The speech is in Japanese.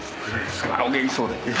お元気そうで。